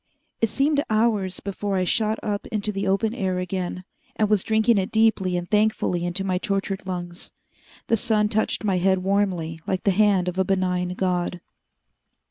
It seemed hours before I shot up into the open air again, and was drinking it deeply and thankfully into my tortured lungs. The sun touched my head warmly like the hand of a benign god.